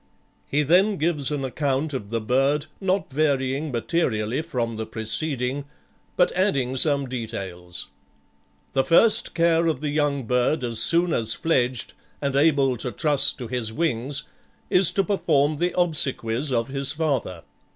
He then gives an account of the bird, not varying materially from the preceding, but adding some details. "The first care of the young bird as soon as fledged, and able to trust to his wings, is to perform the obsequies of his father.